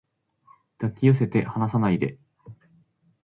抱き寄せて離さないで